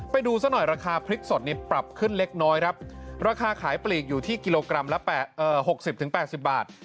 ไปดูซะหน่อยราคาพริกสดนี้ปรับขึ้นเล็กน้อยครับราคาขายปลีกอยู่ที่กิโลกรัมละ๖๐๘๐บาท